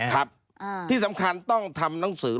ครับที่สำคัญต้องทำหนังสือ